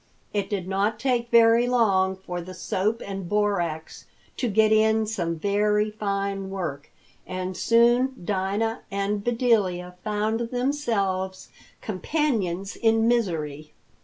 It did not take very long for the soap and borax to get in some very fine work, and soon Dinah and Bedelia found themselves companions in misery.